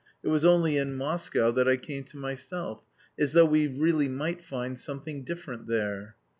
It was only in Moscow that I came to myself as though we really might find something different there."